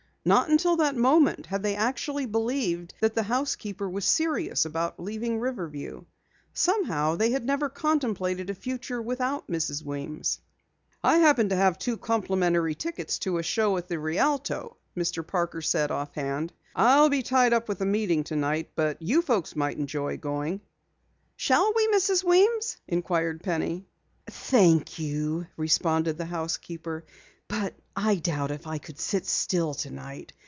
Not until that moment had they actually believed that the housekeeper was serious about leaving Riverview. Somehow they had never contemplated a future without Mrs. Weems. "I happen to have two complimentary tickets to a show at the Rialto," Mr. Parker said offhand. "I'll be tied up with a meeting tonight, but you folks might enjoy going." "Shall we, Mrs. Weems?" inquired Penny. "Thank you," responded the housekeeper, "but I doubt if I could sit still tonight.